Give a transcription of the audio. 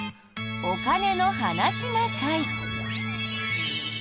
「お金の話な会」。